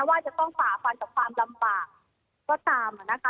ว่าจะต้องฝ่าฟันกับความลำบากก็ตามนะคะ